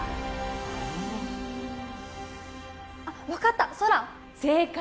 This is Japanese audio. はあ？あっ分かった「空」正解！